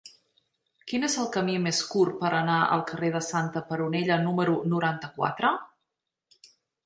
Quin és el camí més curt per anar al carrer de Santa Peronella número noranta-quatre?